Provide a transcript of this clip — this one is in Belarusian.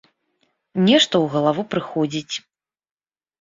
Нешта ў галаву прыходзіць.